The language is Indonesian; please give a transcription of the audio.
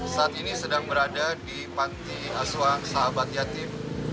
saat ini sedang berada di pantiasuan sahabat yatim